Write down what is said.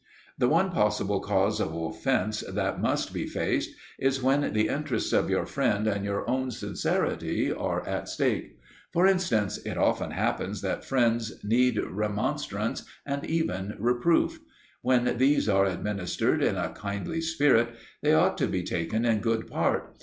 The one possible cause of offence that must be faced is when the interests of your friend and your own sincerity are at stake. For instance, it often happens that friends need remonstrance and even reproof. When these are administered in a kindly spirit they ought to be taken in good part.